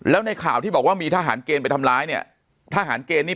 แล้วในข่าวที่บอกว่ามีทหารเกณฑ์ไปทำร้ายเนี่ยทหารเกณฑ์นี่